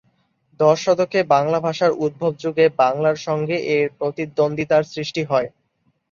দশ শতকে বাংলা ভাষার উদ্ভবযুগে বাংলার সঙ্গে এর প্রতিদ্বন্দ্বিতার সৃষ্টি হয়।